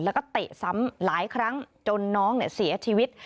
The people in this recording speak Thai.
แล้วก็เตะซ้ำหลายครั้งจนน้องเสียชีวิต